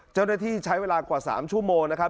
เจ้าหน้าที่ใช้เวลากว่า๓ชั่วโมงนะครับ